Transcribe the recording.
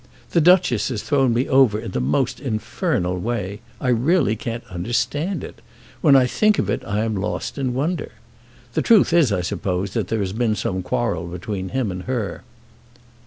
The Duchess has thrown me over in the most infernal way. I really can't understand it. When I think of it I am lost in wonder. The truth, I suppose, is, that there has been some quarrel between him and her."